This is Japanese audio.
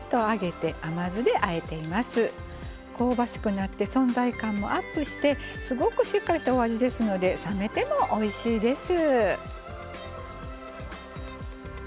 香ばしくなって存在感もアップしてすごくしっかりしたお味ですので冷めてもおいしいです。